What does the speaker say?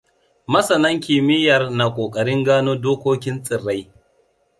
Masanan kimiyyar na ƙoƙarin gano dokokin tsirrai.